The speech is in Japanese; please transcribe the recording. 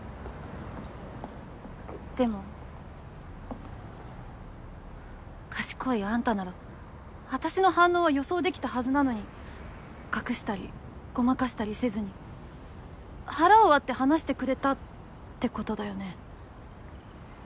でも賢いあんたなら私の反応は予想できたはずなのに隠したりごまかしたりせずに腹を割って話してくれたってことだよね。